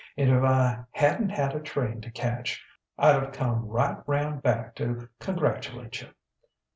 And if I hadn't had a train to catch, I'd have come right round back to congratulate you.